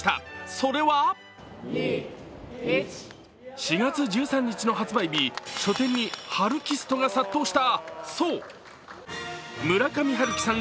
それは４月１３日の発売日書店にハルキストが殺到したそう、村上春樹さん